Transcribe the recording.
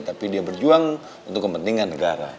tapi dia berjuang untuk kepentingan negara